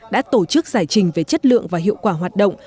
đã tổ chức giải trình về chất lượng và hiệu quả hoạt động